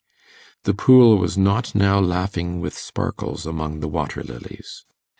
The pool was not now laughing with sparkles among the water lilies.